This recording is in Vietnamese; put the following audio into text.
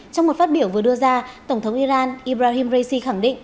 trong một phát biểu vừa đưa ra tổng thống iran ibrahim raisi khẳng định